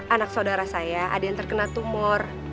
anak saudara saya ada yang terkena tumor